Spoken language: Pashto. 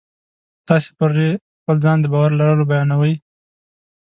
تاسې پرې په خپل ځان د باور لرل بیانوئ